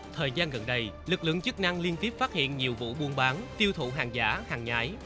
thời gian gần đây lực lượng chức năng liên tiếp phát hiện nhiều vụ buôn bán tiêu thụ hàng giả hàng nhái